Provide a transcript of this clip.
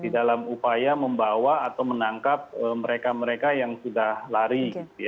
di dalam upaya membawa atau menangkap mereka mereka yang sudah lari